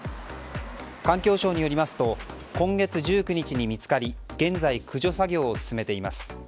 環境省によりますと今月１９日に見つかり現在、駆除作業を進めています。